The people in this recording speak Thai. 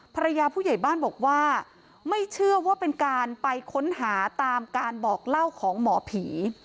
ผู้ใหญ่บ้านบอกว่าไม่เชื่อว่าเป็นการไปค้นหาตามการบอกเล่าของหมอผี